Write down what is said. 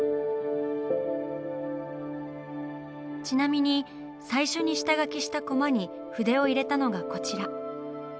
ちなみに最初に下描きしたコマに筆を入れたのがこちら。